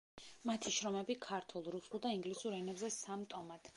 მათი შრომები ქართულ, რუსულ და ინგლისურ ენებზე, სამ ტომად.